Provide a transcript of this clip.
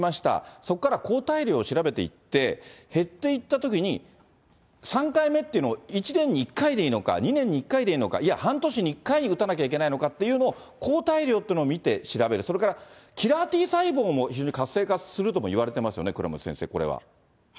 そこから抗体量を調べていって、減っていったときに、３回目っていうのを、１年に１回でいいのか、２年に１回でいいのか、いや、半年に１回打たなきゃいけないのかっていうのを、抗体量っていうのを見て調べる、それからキラーＴ細胞も非常に活性化するともいわれていますよね、倉持先生、これは。